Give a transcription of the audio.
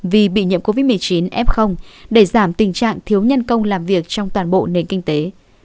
vì bị nhiễm covid một mươi chín f để giảm tình trạng thiếu nhân công làm việc trong toàn bộ nền kinh tế